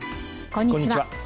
こんにちは。